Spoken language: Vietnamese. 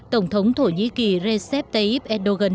tổng thống thổ nhĩ kỳ recep tayyip erdogan